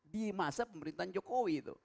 di masa pemerintahan jokowi